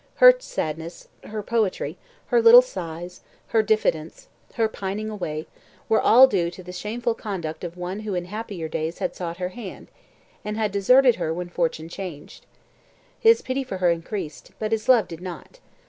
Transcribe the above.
Her sadness, her poetry, her little sighs, her diffidence, her pining away, were all due to the shameful conduct of one who in happier days had sought her hand, and had deserted her when fortune changed. His pity for her increased, but his love did not.